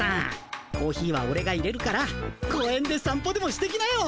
コーヒーはオレがいれるから公園でさん歩でもしてきなよ。